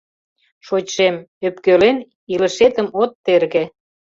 Шочшем, ӧпкелен, илышетым от терге: